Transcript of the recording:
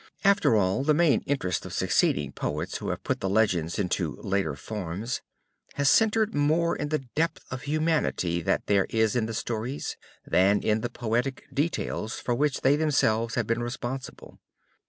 After all, the main interest of succeeding poets who have put the legends into later forms, has centered more in the depth of humanity that there is in the stories, than in the poetic details for which they themselves have been responsible.